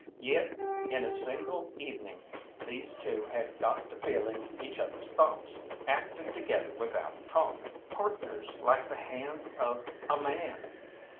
Yet in a single evening these two had got to feeling each other's thoughts, acting together without talk, partners like the hands of a man.